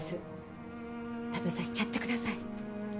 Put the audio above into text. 食べさしちゃってください。